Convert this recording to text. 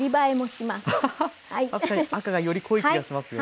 アハハッ確かに赤がより濃い気がしますよね。